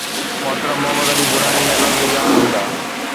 محترم محمد علي دراني جا لفظ ياد هوندا.